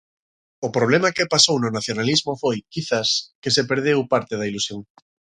O problema que pasou no nacionalismo foi, quizás, que se perdeu parte da ilusión.